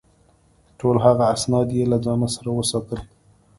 ټول هغه اسناد یې له ځان سره وساتل.